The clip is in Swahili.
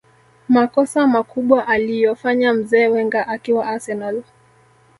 makossa makubwa aliyofanya mzee Wenger akiwa arsenal